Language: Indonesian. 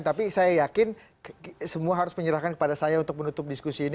tapi saya yakin semua harus menyerahkan kepada saya untuk menutup diskusi ini